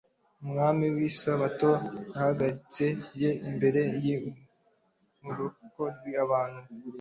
Umwami w'isabato yahagarits-,ye imbere y'umluko rw'abantu.